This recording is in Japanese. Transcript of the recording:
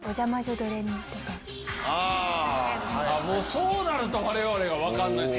もうそうなると我々が分かんないです。